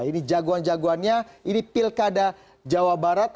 ini jagoan jagoannya ini pilkada jawa barat